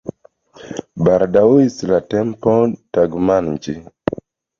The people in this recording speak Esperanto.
Baldaŭis la tempo tagmanĝi.